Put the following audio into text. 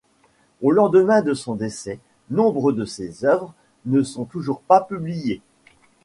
Au lendemain de son décès, nombre de ses œuvres ne sont toujours pas publiées.